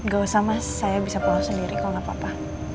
gak usah mas saya bisa pulang sendiri kalau nggak apa apa